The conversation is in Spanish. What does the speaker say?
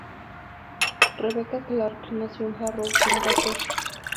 Rebecca Clarke nació en Harrow, Inglaterra.